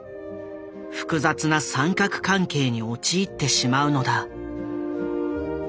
複雑な三角関係に陥ってしまうのだ。